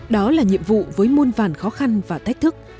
đó là nhiệm vụ với môn vàn khó khăn và thách thức